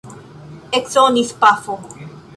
Eksonis pafo.